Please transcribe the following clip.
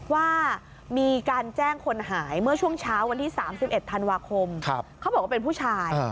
ว่ามีการแจ้งคนหายเมื่อช่วงเช้าวันที่๓๑ธันวาคมเขาบอกว่าเป็นผู้ชาย